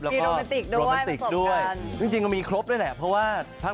น้องกระดาษอีกท่านหนึ่งก็คือด้านนั้น